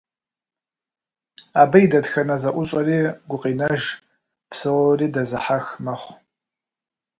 Абы и дэтхэнэ зэӏущӏэри гукъинэж, псори дэзыхьэх мэхъу.